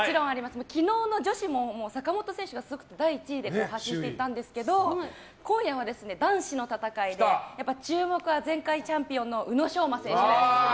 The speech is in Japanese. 昨日の女子も坂本選手が第１位だったんですけど今夜は男子の戦いで注目は前回チャンピオンの宇野昌磨選手です。